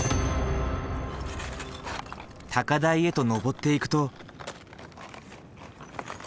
高台へと上っていくと。